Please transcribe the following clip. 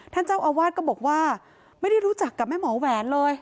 ท่านเจ้าอาวาสก็บอกว่าไม่ได้รู้จักกับแม่หมอแหวนเลย